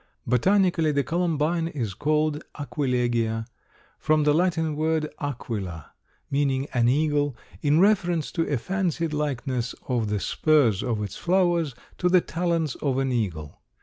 Botanically the Columbine is called Aquilegia, from the Latin word Aquila, meaning an eagle, in reference to a fancied likeness of the spurs of its flowers to the talons of an eagle.